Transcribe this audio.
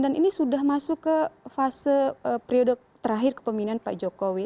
dan ini sudah masuk ke fase periode terakhir kepemimpinan pak jokowi